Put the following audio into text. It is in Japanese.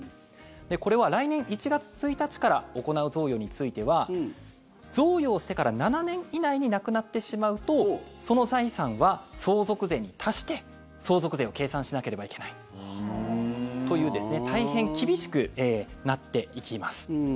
これは来年１月１日から行う贈与については贈与をしてから７年以内に亡くなってしまうとその財産は相続税に足して相続税を計算しなければいけないという大変厳しくなっていきます。